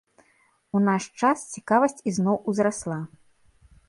У наш час цікаваць ізноў узрасла.